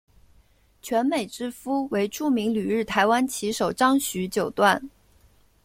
泉美之夫为着名旅日台湾棋手张栩九段。